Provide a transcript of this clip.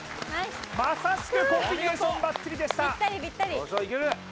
まさしくコンビネーションバッチリでした